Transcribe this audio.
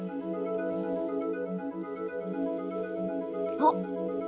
あっ。